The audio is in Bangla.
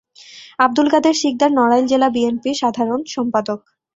আবদুল কাদের সিকদার নড়াইল জেলা বিএনপির সাধারণ সম্পাদক।